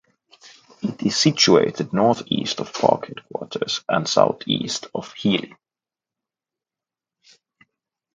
It is situated northeast of park headquarters and southeast of Healy.